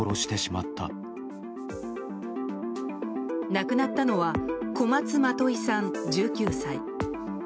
亡くなったのは小松まといさん、１９歳。